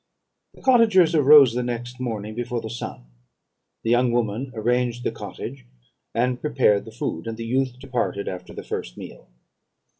"The cottagers arose the next morning before the sun. The young woman arranged the cottage, and prepared the food; and the youth departed after the first meal.